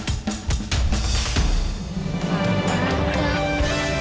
sebenernya kalian ini bayar berapa sih